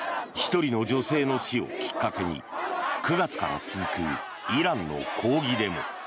１人の女性の死をきっかけに９月から続くイランの抗議デモ。